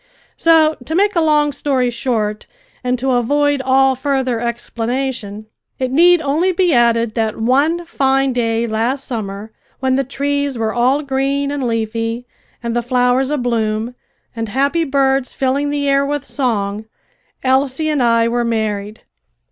So to make a long story short and to avoid all further explanation, it need only be added that one fine day last summer, when the trees were all green and leafy, and the flowers abloom, and happy birds filling the air with song, Elsie and I were married.